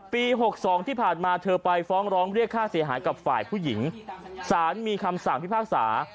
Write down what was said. ๖๒ที่ผ่านมาเธอไปฟ้องร้องเรียกค่าเสียหายกับฝ่ายผู้หญิงสารมีคำสั่งพิพากษา